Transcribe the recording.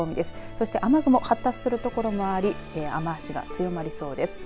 そして、雨雲発達する所もあり雨足が強まりそうです。